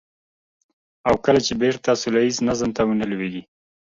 او کله چې بېرته سوله ييز نظم ته ونه لوېږي.